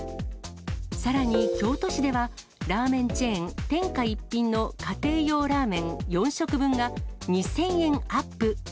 さらに京都市では、ラーメンチェーン、天下一品の家庭用ラーメン４食分が２０００円アップ。